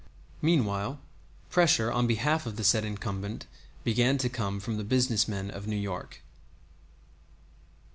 Meanwhile pressure on behalf of the said incumbent began to come from the business men of New York.